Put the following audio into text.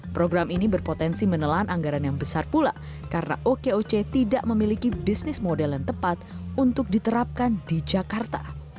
program ini berpotensi menelan anggaran yang besar pula karena okoc tidak memiliki bisnis model yang tepat untuk diterapkan di jakarta